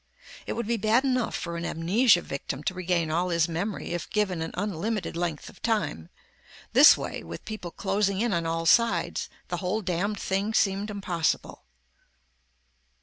It would be bad enough for an amnesia victim to regain all his memory if given an unlimited length of time this way, with people closing in on all sides, the whole damned thing seemed impossible.